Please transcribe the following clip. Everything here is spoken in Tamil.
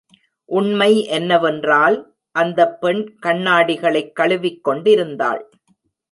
உண்மை என்னவென்றால், அந்த பெண் கண்ணாடிகளை கழுவிக் கொண்டிருந்தாள்.